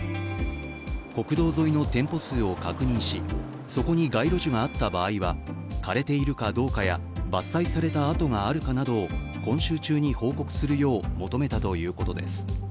国道沿いの店舗数を確認し、そこに街路樹があった場合は枯れているかどうかや、伐採されたあとがあるかどうかなどを今週中に報告するよう求めたということです。